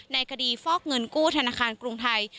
ในคดีฟอกเงินกู้ธนาคารกรุงไทย